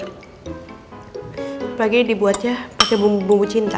apalagi dibuatnya pake bumbu cinta